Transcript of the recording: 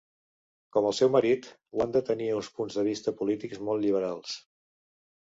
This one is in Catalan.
Com el seu marit, Wanda tenia uns punts de vista polítics molt lliberals.